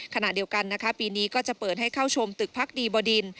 ขณะเดียวกันนะคะปีนี้ก็จะเปิดให้เข้าชมตึกพักดีบดิน